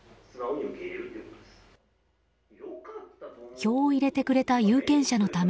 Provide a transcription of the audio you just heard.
票を入れてくれた有権者のため